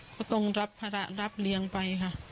ก็ต้องรับภาระรับเลี้ยงไปค่ะ